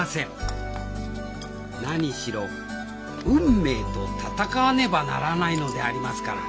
何しろ運命と闘わねばならないのでありますから